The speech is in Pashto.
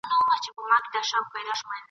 د «جسماني» زور پر وزرو باندي